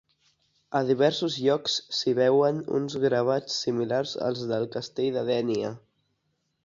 A diversos llocs s'hi veuen uns gravats similars als del Castell de Dénia.